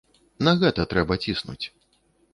На гэта трэба ціснуць.